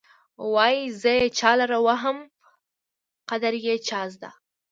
وايې زه یې چا لره وهم قدر يې چا زده.